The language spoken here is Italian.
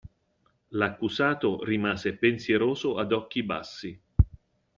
L'accusato rimase pensieroso ad occhi bassi.